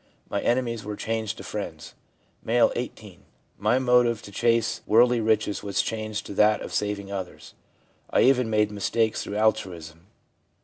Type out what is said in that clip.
My enemies were changed to friends.' M., 18. * My motive to chase worldly riches was changed to that of saving others. I even made mistakes through altruism.'